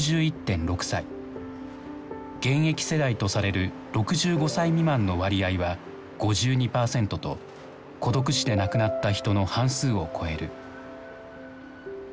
現役世代とされる６５歳未満の割合は５２％と孤独死で亡くなった人の半数を超える。